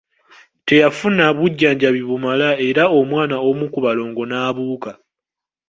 Teyafuna bujjanjabi bumala era omwana omu ku balongo n'abuuka.